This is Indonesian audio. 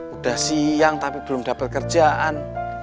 udah siang tapi belum dapat kerjaan